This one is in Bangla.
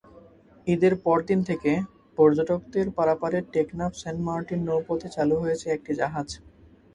ঈদের পরদিন থেকে পর্যটকদের পারাপারে টেকনাফ-সেন্ট মার্টিন নৌপথে চালু হয়েছে একটি জাহাজ।